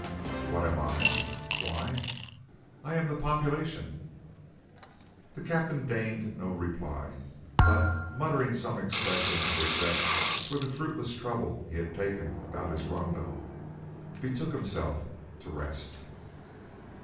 "What am I? Why, I am the population." The captain deigned no reply, but, muttering some expressions of regret for the fruitless trouble he had taken about his rondo, betook himself to rest.